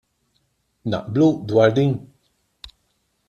Naqblu dwar din?